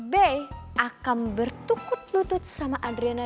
be akan bertukut lutut sama adriana